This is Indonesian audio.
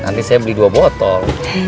nanti saya beli dua botol